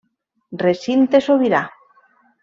Recinte sobirà.